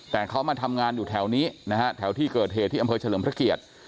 แต่เขามาทำงานอยู่แถวนี้นะฮะแถวที่เกิดเหตุที่อำเภอเฉลิมพระเกียรติ